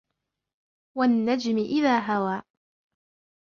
وَالنَّجْمِ إِذَا هَوَى